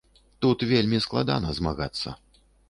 Тут вельмі складана змагацца.